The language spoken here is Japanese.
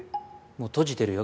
もう閉じてるよ